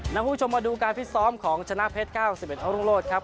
คุณผู้ชมมาดูการฟิตซ้อมของชนะเพชร๙๑อรุ่งโลศครับ